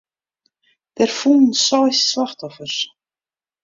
Der foelen seis slachtoffers.